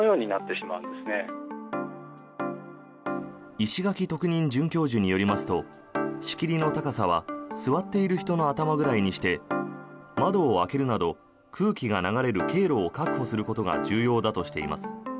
石垣特任准教授によりますと仕切りの高さは座っている人の頭ぐらいにして窓を開けるなど空気が流れる経路を確保することが重要だとしています。